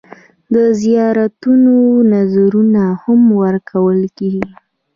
د زیارتونو نذرونه هم ورکول کېږي.